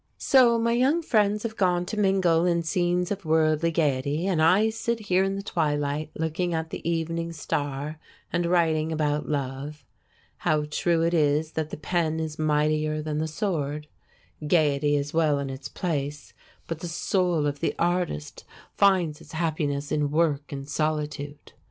So my young friends have gone to mingle in scenes of worldly gayety, and I sit here in the twilight looking at the evening star and writing about love. How true it is that the pen is mightier than the sword! Gayety is well in its place, but the soul of the artist finds its happiness in work and solitude.